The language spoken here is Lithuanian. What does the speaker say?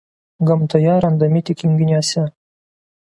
Gamtoje randami tik junginiuose.